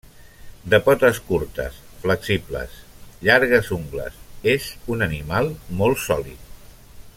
De potes curtes, flexibles, llargues ungles, és un animal molt sòlid.